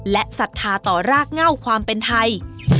และศรัทธาต่อรากเง่าความเป็นไทย